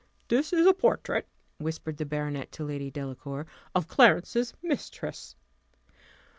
"This is a portrait," whispered the baronet to Lady Delacour, "of Clarence's mistress."